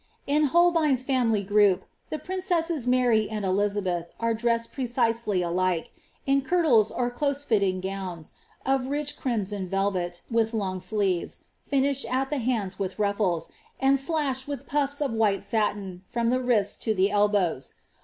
In H<)lbein''s family group, the princesses Marj' and Elizabeth aie dressed precisely alike, in kirlles or close fitting gowns of rich crimson velvet, with long sleeves, finished at the hands with ruffles, and slashed with ])ulls of white satin, from the wrists to the elbows.